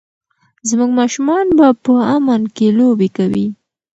زموږ ماشومان به په امن کې لوبې کوي.